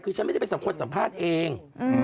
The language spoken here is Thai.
คือฉันไม่ได้เป็นสังคมสัมภาษณ์เอง